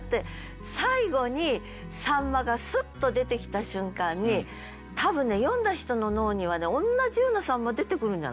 最後に「秋刀魚」がスッと出てきた瞬間に多分ね読んだ人の脳にはね同じような秋刀魚出てくるんじゃない？